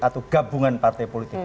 atau gabungan partai politik